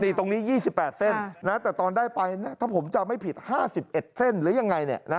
นี่ตรงนี้๒๘เส้นแต่ตอนได้ไปถ้าผมจำไม่ผิด๕๑เส้นหรือยังไง